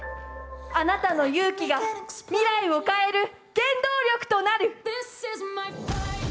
あなたの勇気が未来を変える原動力となる。